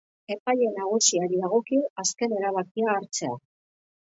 Epaile nagusiari dagokio azken erabakia hartzea.